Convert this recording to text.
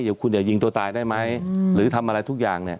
อย่าตายอย่าหยิงตัวตายได้ไหมหรือทำอะไรทุกอย่าง